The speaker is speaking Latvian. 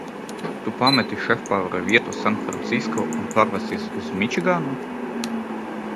Tu pameti šefpavāra vietu Sanfrancisko un pārvācies uz Mičiganu?